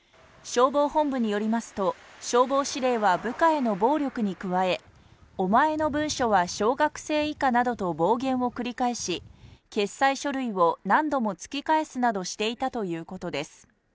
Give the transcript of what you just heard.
消防本部によりますと、消防司令は部下への暴力に加え「お前の文書は小学生以下」など暴言を繰り返し、決裁書類を何度も突き返すなどしていたということです。